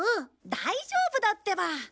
大丈夫だってば！